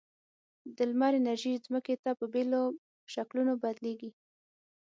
د لمر انرژي ځمکې ته په بېلو شکلونو بدلیږي.